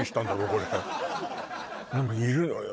これ何かいるのよ